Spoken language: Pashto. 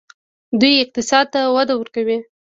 دوی اقتصاد ته وده ورکوي.